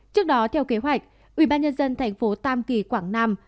trước đó theo kế hoạch ubnd thành phố tam kỳ quảng nam